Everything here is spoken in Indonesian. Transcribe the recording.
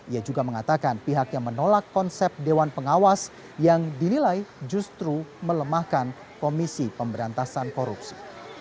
ia juga mengatakan pihaknya menolak konsep dewan pengawas yang dinilai justru melemahkan komisi pemberantasan korupsi